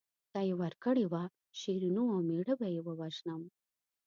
که یې ورکړې وه شیرینو او مېړه به یې ووژنم.